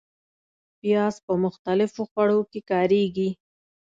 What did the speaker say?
پیاز په مختلفو خوړو کې کارېږي